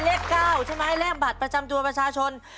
เลข๙ใช่ไหมเลขบัตรประจำตัวประชาชน